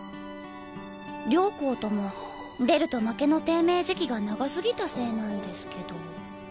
両校とも出ると負けの低迷時期が長すぎたせいなんですけどね。